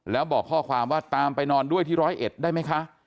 แล้วบอกข้อความว่าตามไปนอนด้วยที่ร้อยเอ็ดได้ไหมคะ